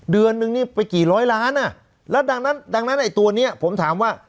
เดือนนึงนี่ไปกี่ร้อยล้านอ่ะแล้วดังนั้นดังนั้นไอ้ตัวนี้ผมถามว่า